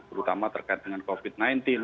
terutama terkait dengan covid sembilan belas